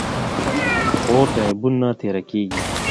خور د عیبونو نه تېره کېږي.